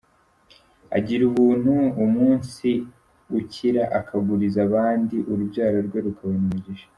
Agira ubuntu umunsi ukira, akaguriza abandi, Urubyaro rwe rukabona umugisha.